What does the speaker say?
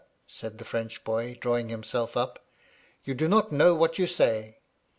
said the French boy, drawing himself up; *you do not know what you say.